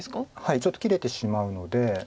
ちょっと切れてしまうので２目。